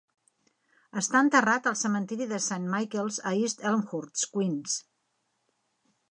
Està enterrat al cementiri de Saint Michaels a East Elmhurst, Queens.